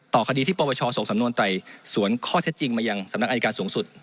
คดีที่ปปชส่งสำนวนไต่สวนข้อเท็จจริงมายังสำนักอายการสูงสุด